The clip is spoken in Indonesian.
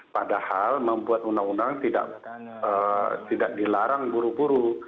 padahal membuat undang undang tidak dilarang buru buru